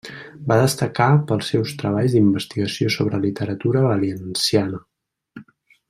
Va destacar pels seus treballs d'investigació sobre literatura valenciana.